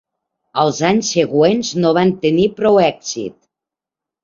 Els anys següents no van tenir prou èxit.